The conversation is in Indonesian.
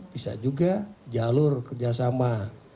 bisa juga jalur kerjasama